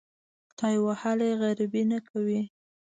خدای وهلي غریبي نه کوي.